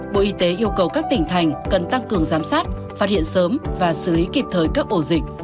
bộ y tế yêu cầu các tỉnh thành cần tăng cường giám sát phát hiện sớm và xử lý kịp thời các ổ dịch